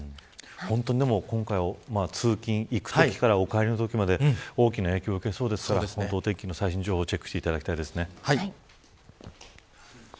今回は、通勤、行くときからお帰りのときまで、大きな影響を受けそうですからお天気の最新情報をチェックしていただきたいです。